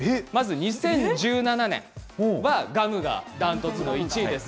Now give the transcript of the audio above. ２０１７年はガムが断トツの１位です。